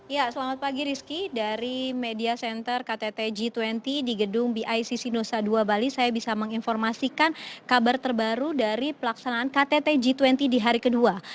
ya selamat pagi rizky dari media center ktt g dua puluh di gedung bic sinusa dua bali saya bisa menginformasikan kabar terbaru dari pelaksanaan ktt g dua puluh di hari kedua